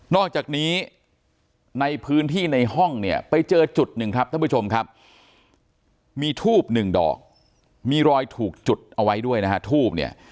อกจากนี้ในพื้นที่ในห้องเนี่ยไปเจอจุดหนึ่งครับท่านผู้ชมครับมีทูบหนึ่งดอกมีรอยถูกจุดเอาไว้ด้วยนะฮะทูบเนี่ย